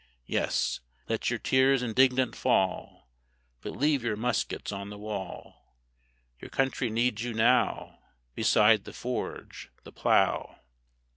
Yes, let your tears indignant fall, But leave your muskets on the wall; Your country needs you now Beside the forge the plough.